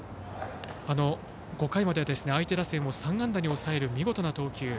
５回までは相手打線を３安打に抑える見事な投球。